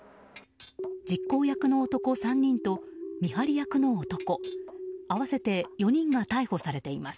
実行役の男３人と見張り役の男合わせて４人が逮捕されています。